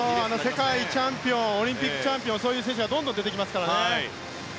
世界チャンピオンオリンピックチャンピオンそういう選手がどんどん出てきますからね。